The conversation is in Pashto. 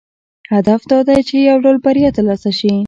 هدف دا دی چې یو ډول بریا ترلاسه شي.